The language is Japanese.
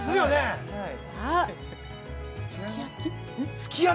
◆すき焼き？